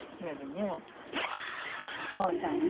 お父さんね